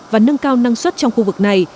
và nâng cao năng suất trong khu vực này